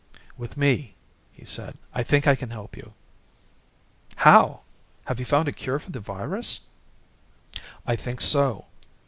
"With me," he said. "I think I can help you." "How? Have you found a cure for the virus?" "I think so.